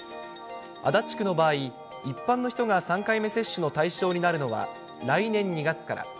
足立区の場合、一般の人が３回目接種の対象になるのは、来年２月から。